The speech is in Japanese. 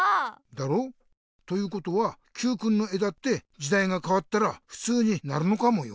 だろ？ということはＱくんの絵だってじだいがかわったらふつうになるのかもよ。